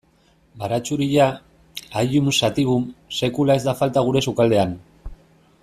Baratxuria, Allium sativum, sekula ez da falta gure sukaldean.